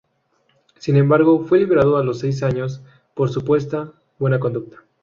Sin embargo fue liberado a los seis años por supuesta "buena conducta".